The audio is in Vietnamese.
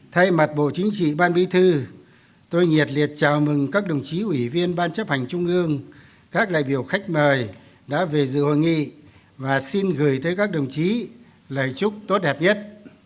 thay mặt bộ chính trị ban bí thư tôi nhiệt liệt chào mừng các đồng chí ủy viên ban chấp hành trung ương các đại biểu khách mời đã về dự hội nghị và xin gửi tới các đồng chí lời chúc tốt đẹp nhất